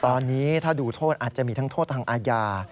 ตอนนี้ถ้าดูโทษอาจจะมีทั้งโทษทางอาญา